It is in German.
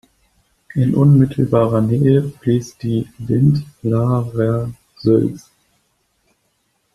In unmittelbarer Nähe fließt die Lindlarer Sülz.